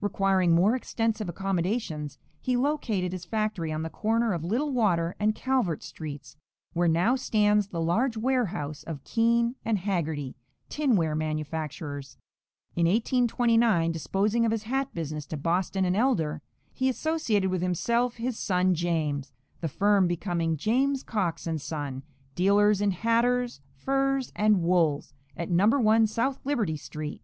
Requiring more extensive accommodations, he located his factory on the corner of Little Water and Calvert streets, where now stands the large warehouse of Keen & Hagerty, tinware manufacturers. In 1829, disposing of his hat business to Boston & Elder, he associated with himself his son James, the firm becoming "James Cox & Son, dealers in hatters' furs and wools," at No. 1 South Liberty street.